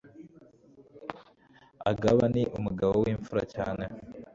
Agaba ni umugabo w’imfura cyane